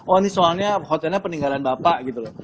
oh ini soalnya hotelnya peninggalan bapak gitu loh